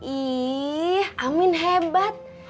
ih amin hebat